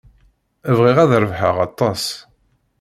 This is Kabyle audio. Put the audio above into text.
Bɣiɣ ad rebḥeɣ aṭas.